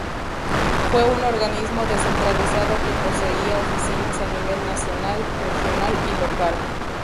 Fue un organismo descentralizado que poseía oficinas a nivel nacional, regional y local.